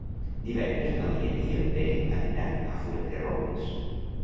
Divendres na Lia i en Pere aniran a Fuenterrobles.